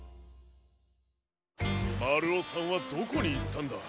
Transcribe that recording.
まるおさんはどこにいったんだ？